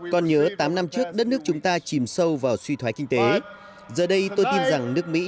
còn nhớ tám năm trước đất nước chúng ta chìm sâu vào suy thoái kinh tế giờ đây tôi tin rằng nước mỹ